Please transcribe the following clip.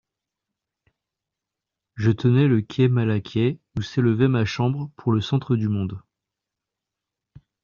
Je tenais le quai Malaquais, ou s'élevait ma chambre, pour le centre du monde.